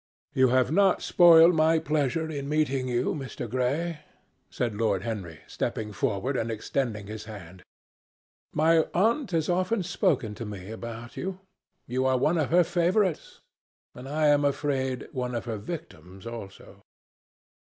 "You have not spoiled my pleasure in meeting you, Mr. Gray," said Lord Henry, stepping forward and extending his hand. "My aunt has often spoken to me about you. You are one of her favourites, and, I am afraid, one of her victims also."